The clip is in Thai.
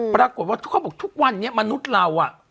ปรากฏว่าทุกวันนี้มนุษย์เรา